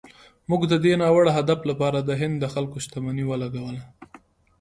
موږ د دې ناوړه هدف لپاره د هند د خلکو شتمني ولګوله.